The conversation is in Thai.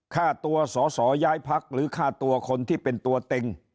ค่าตัวสอสอย้ายพักหรือค่าตัวคนที่เป็นตัวเต็ง